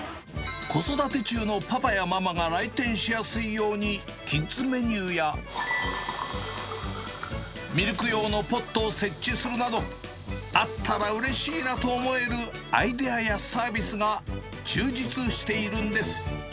子育て中のパパやママが来店しやすいようにキッズメニューや、ミルク用のポットを設置するなど、あったらうれしいなと思えるアイデアやサービスが充実しているんです。